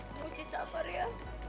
mesti sabar ya